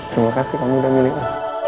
terima kasih kamu udah pilih aku